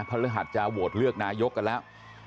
ฤหัสจะโหวตเลือกนายกกันแล้ว